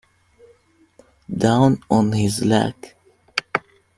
Down on his luck.